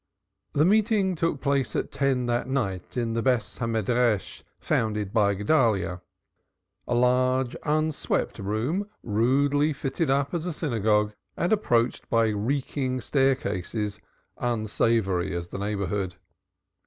The meeting took place at ten that night at the Beth Hamidrash founded by Guedalyah, a large unswept room rudely fitted up as a synagogue and approached by reeking staircases, unsavory as the neighborhood.